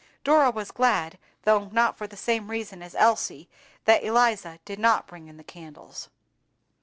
Dora was glad, though not for the same reason as Elsie, that Eliza did not bring in the candles.